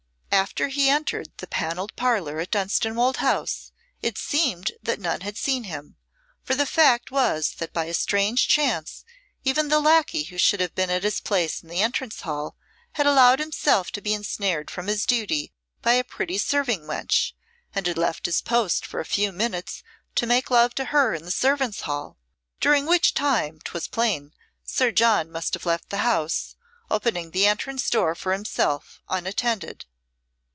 After he entered the Panelled Parlour at Dunstanwolde House it seemed that none had seen him, for the fact was that by a strange chance even the lacquey who should have been at his place in the entrance hall had allowed himself to be ensnared from his duty by a pretty serving wench, and had left his post for a few minutes to make love to her in the servants' hall, during which time 'twas plain Sir John must have left the house, opening the entrance door for himself unattended.